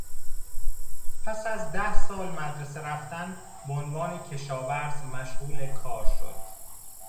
پس از ده سال مدرسه رفتن به عنوان کشاورز مشغول کار شد.